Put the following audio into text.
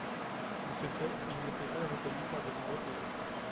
De ce fait il n’était pas reconnu par de nombreux pays.